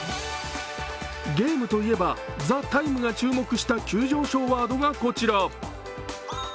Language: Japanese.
ゲームといえば「ＴＨＥＴＩＭＥ，」が注目した急上昇ワードがこちら。